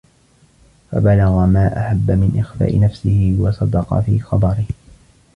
فَبَلَغَ مَا أَحَبَّ مِنْ إخْفَاءِ نَفْسِهِ وَصَدَقَ فِي خَبَرِهِ